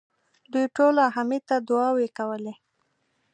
دوی ټولو حميد ته دعاوې کولې.